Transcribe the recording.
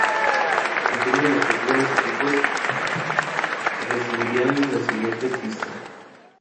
Cumplido el objetivo, los equipos recibirían la siguiente pista.